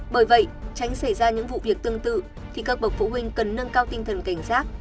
bởi vậy tránh xảy ra những vụ việc tương tự thì các bậc phụ huynh cần nâng cao tinh thần cảnh giác